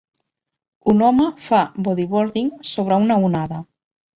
Un home fa bodyboarding sobre una onada.